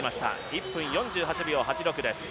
１分４８秒８６です。